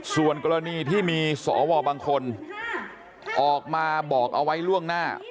ส่วนกรณีที่มีสวบางคนออกมาบอกเอาไว้ล่วงหน้า